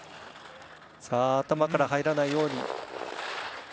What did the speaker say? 頭から入らないように。